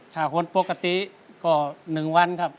ถ้าคนปกติก็๑วันครับ